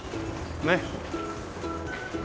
ねっ。